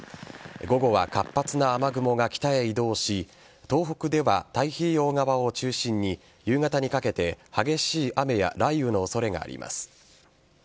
午後は活発な雨雲が北へ移動し東北では太平洋側を中心に夕方にかけて激しい雨や雷雨の恐れがあります。